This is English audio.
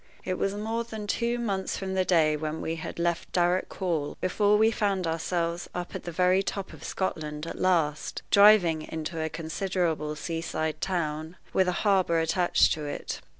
It was more than two months from the day when we had left Darrock Hall before we found ourselves up at the very top of Scotland at last, driving into a considerable sea side town, with a harbor attached to it.